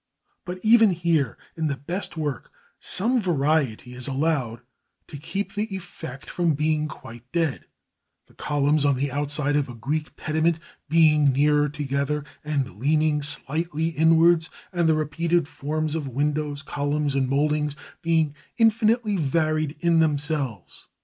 But even here, in the best work, some variety is allowed to keep the effect from being quite dead, the columns on the outside of a Greek pediment being nearer together and leaning slightly inwards, and the repeated forms of windows, columns, and mouldings being infinitely varied in themselves.